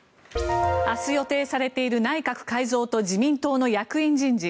明日予定されている内閣改造と自民党の役員人事。